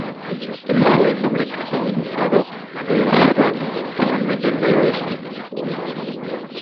El uso del nombre castellanizado de la ciudad: "San Miguel del Oeste".